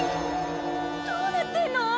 どうなってんの？